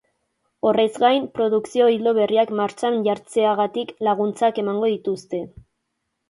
Horrez gain, produkzio ildo berriak martxan jartzeagatik laguntzak emango dituzte.